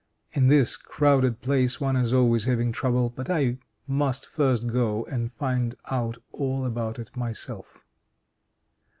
In this crowded place one is always having trouble. But I must first go and find out all about it myself."